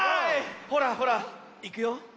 ほらほらいくよ。